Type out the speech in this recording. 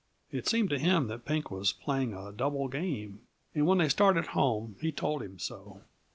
It seemed to him that Pink was playing a double game, and when they started home he told him so.